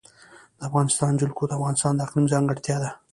د افغانستان جلکو د افغانستان د اقلیم ځانګړتیا ده.